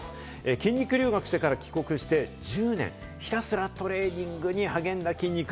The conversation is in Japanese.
筋肉留学してから帰国して１０年、ひたすらトレーニングに励んだ、きんに君。